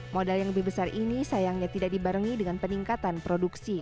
modal yang lebih besar ini sayangnya tidak dibarengi dengan peningkatan produksi